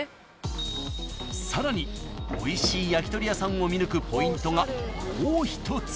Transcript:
［さらにおいしい焼き鳥屋さんを見抜くポイントがもう一つ］